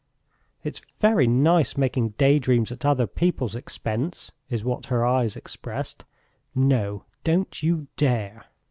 "It's very nice making daydreams at other people's expense!" is what her eyes expressed. "No, don't you dare!"